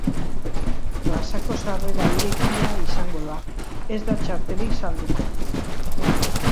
Plazako sarrera irekia izango da, ez da txartelik salduko.